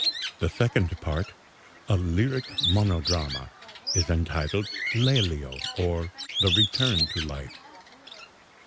The second part, a "lyric monodrama," is entitled "Lélio; or, The Return to Life."